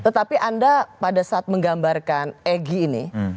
tetapi anda pada saat menggambarkan egy ini